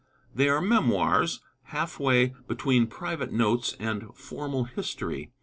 They are memoirs, half way between private notes and formal history.